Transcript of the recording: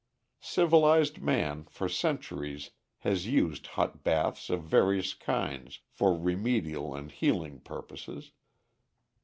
Civilized man, for centuries, has used hot baths of various kinds for remedial and healing purposes.